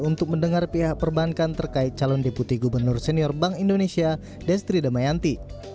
untuk mendengar pihak perbankan terkait calon deputi gubernur senior bank indonesia destri damayanti